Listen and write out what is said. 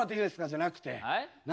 じゃなくて何？